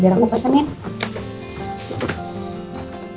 biar aku pesenin